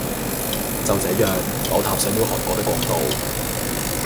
就這樣我踏上了韓國的國度